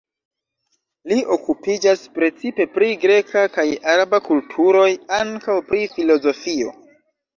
Li okupiĝas precipe pri greka kaj araba kulturoj, ankaŭ pri filozofio.